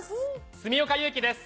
住岡佑樹です